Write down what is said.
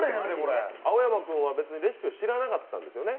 青山君は別にレシピは知らなかったんですよね？